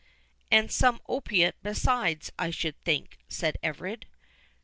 "And some opiate besides, I should think," said Everard.